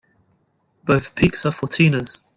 Both peaks are fourteeners.